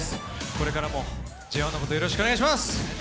これからもＪＯ１のことをよろしくお願いします。